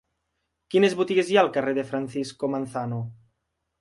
Quines botigues hi ha al carrer de Francisco Manzano?